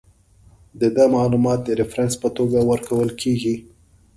د ده معلومات د ریفرنس په توګه ورکول کیږي.